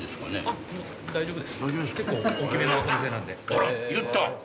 あら言った！